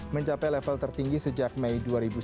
mencapai level tertinggi sejak mei dua ribu sembilan belas